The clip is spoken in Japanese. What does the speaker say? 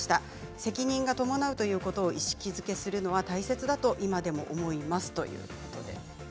責任が伴うということを意識づけするのは大切だと今でも思いますということです。